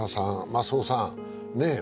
増尾さんねえ